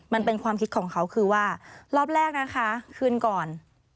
มันเป็นความคิดของเขาคือว่ารอบแรกนะคะคืนก่อน